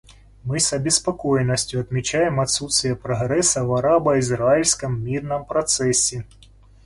Мы с обеспокоенностью отмечаем отсутствие прогресса в арабо-израильском мирном процессе.